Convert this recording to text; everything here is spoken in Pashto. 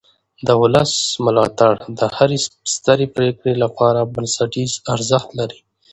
د ولس ملاتړ د هرې سترې پرېکړې لپاره بنسټیز ارزښت لري